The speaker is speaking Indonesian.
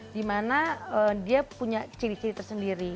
dimana dia punya ciri ciri tersendiri